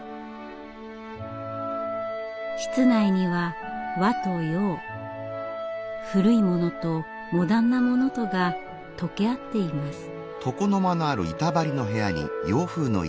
室内には和と洋古いものとモダンなものとが溶け合っています。